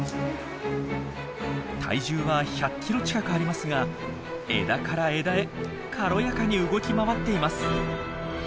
体重は１００キロ近くありますが枝から枝へ軽やかに動き回っています。